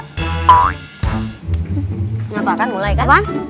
kenapa kan mulai kan